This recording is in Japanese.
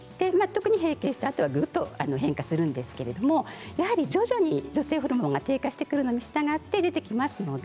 閉経したあとはぐっと変化していきますので徐々に女性ホルモンが低下してくるのに従って出てきますので